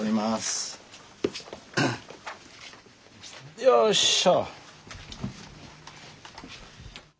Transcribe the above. よっしょ。